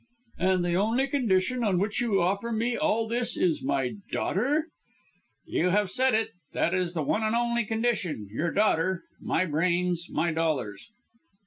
"And the only condition on which you offer me all this is my daughter?" "You have said it that is the one and only condition. Your daughter my brains, my dollars."